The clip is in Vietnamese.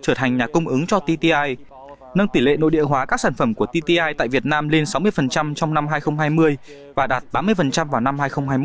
trở thành nhà cung ứng cho tti nâng tỷ lệ nội địa hóa các sản phẩm của tti tại việt nam lên sáu mươi trong năm hai nghìn hai mươi và đạt tám mươi vào năm hai nghìn hai mươi một